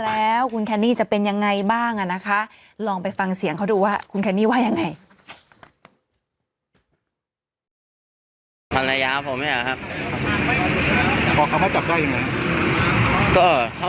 แล้วคุณแคนนี่จะเป็นยังไงบ้างอ่ะนะคะลองไปฟังเสียงเขาดูว่าคุณแคนนี่ว่ายังไง